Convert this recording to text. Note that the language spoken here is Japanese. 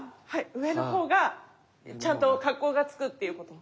上の方がちゃんと格好がつくっていうこと？